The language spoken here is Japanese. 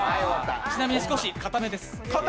ちなみに少し硬めです。